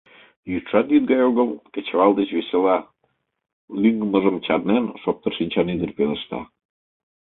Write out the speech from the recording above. — Йӱдшат йӱд гай огыл, кечывал деч весела! — лӱҥгымыжым чарнен, шоптыр шинчан ӱдыр пелешта.